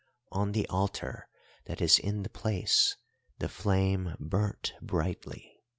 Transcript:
On the altar that is in the place the flame burnt brightly.